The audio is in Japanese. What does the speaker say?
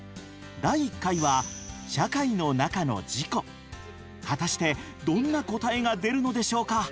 第１回は果たしてどんな答えが出るのでしょうか？